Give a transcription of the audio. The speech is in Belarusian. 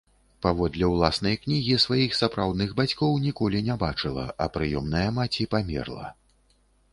Паводле ўласнай кнігі, сваіх сапраўдных бацькоў ніколі не бачыла, а прыёмная маці памерла.